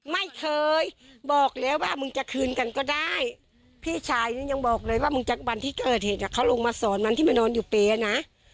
ไม่เคยบอกแล้วว่ามึงจะคืนกันก็ได้พี่ชายฉันยังบอกเลยว่ามึงจากวันที่เกิดเหตุอ่ะเขาลงมาสอนวันที่มานอนอยู่เป๊ะนะ